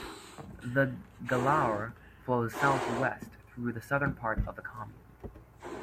The Galaure flows southwest through the southern part of the commune.